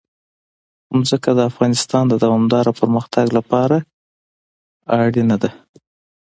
ځمکه د افغانستان د دوامداره پرمختګ لپاره اړین دي.